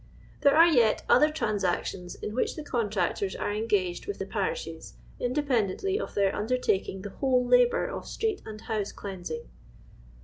There are yet other tnin . sctions in which the contractors aro engaged with the piri^h'. d, inde pendently of their undertaking the whole labour of street and hou. jc cleansing.